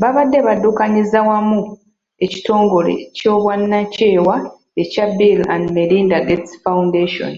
Babadde baddukanyiza wamu ekitongole ky'obwannakyewa ekya Bill and Melinda Gates Foundation.